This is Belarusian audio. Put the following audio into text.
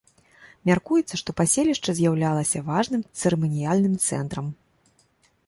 Мяркуецца, што паселішча з'яўлялася важным цырыманіяльным цэнтрам.